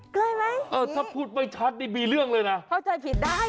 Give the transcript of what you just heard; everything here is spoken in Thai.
ใกล้ไหมเออถ้าพูดไม่ชัดนี่มีเรื่องเลยนะเข้าใจผิดได้